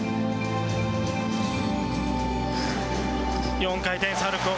４回転サルコー